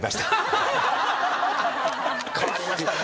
変わりましたね。